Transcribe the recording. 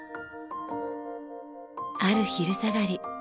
ある昼下がり。